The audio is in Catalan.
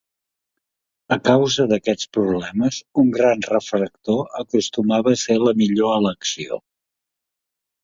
A causa d'aquests problemes, un gran refractor acostumava a ser la millor elecció.